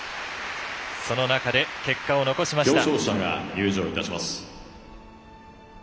その中で、結果を残しました。